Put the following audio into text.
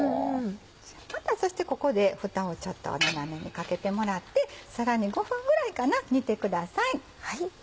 またそしてここでふたをちょっと斜めにかけてもらってさらに５分ぐらい煮てください。